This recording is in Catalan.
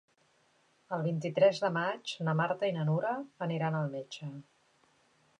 El vint-i-tres de maig na Marta i na Nura aniran al metge.